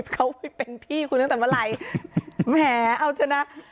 เขาไปเป็นพี่คุณตั้งแต่เมื่อไหร่แหมเอาชนะ